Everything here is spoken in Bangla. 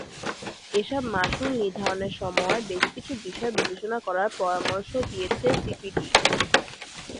এসব মাশুল নির্ধারণের সময় বেশ কিছু বিষয় বিবেচনা করার পরামর্শ দিয়েছে সিপিডি।